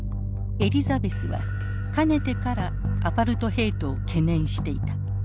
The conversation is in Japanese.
エリザベスはかねてからアパルトヘイトを懸念していた。